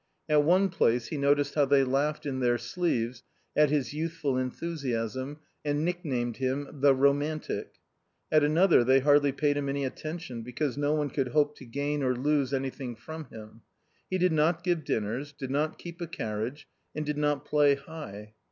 At one place he noticed how they laughed in their sleeves at his youthful enthusiasm, and nicknamed him the romantic. At another they hardly paid him any attention, because no one could hope to gain or lose anything from him. He did not give dinners, did not keep a carriage, and did not play high.